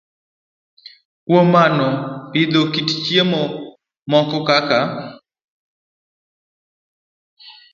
Kuom mano, pidho kit chiemo moko kaka